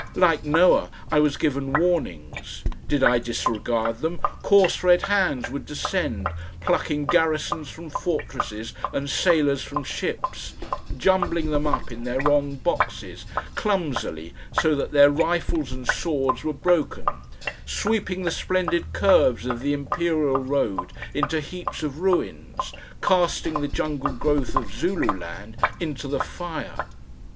Like Noah I was given warnings. Did I disregard them, coarse red hands would descend, plucking garrisons from fortresses and sailors from ships, jumbling them up in their wrong boxes, clumsily so that their rifles and swords were broken, sweeping the splendid curves of the Imperial Road into heaps of ruins, casting the jungle growth of Zululand into the fire.